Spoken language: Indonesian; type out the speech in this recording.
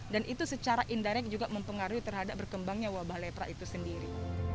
dan itu secara inderek juga mempengaruhi terhadap berkembangnya wabah lepra itu sendiri